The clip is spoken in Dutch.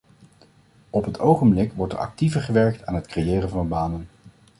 Op het ogenblik wordt er actiever gewerkt aan het creëren van banen.